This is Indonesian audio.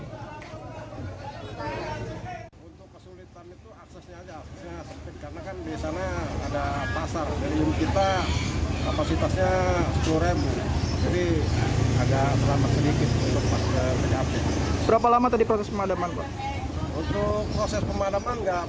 di sana ada pasar dari kita kapasitasnya sepuluh rem jadi agak lama sedikit untuk memadamkan api